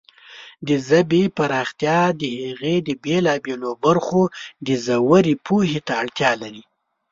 د ژبې پراختیا د هغې د بېلابېلو برخو د ژورې پوهې ته اړتیا لري.